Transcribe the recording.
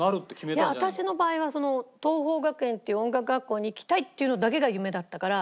いや私の場合は桐朋学園っていう音楽学校に行きたいっていうのだけが夢だったから。